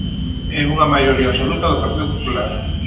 E unha maioría absoluta do Partido Popular.